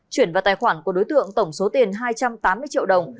chuyển vào tài khoản của đối tượng tổng số tiền hai trăm tám mươi triệu đồng